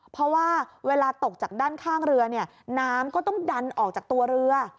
เพราะว่าเวลาตกจากด้านข้างเรือเนี่ยน้ำก็ต้องดันออกจากตัวเรือ